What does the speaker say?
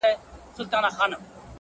• ستا به په شپو کي زنګېدلی یمه ,